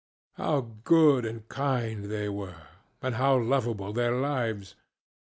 How good and kind they were, and how lovable their lives!